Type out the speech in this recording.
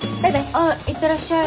ああ行ってらっしゃい。